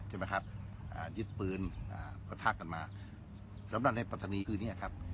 ใช่ไหมครับอ่ายึดปืนอ่าประทักกันมาสำหรับในปัตตานีคือเนี้ยครับ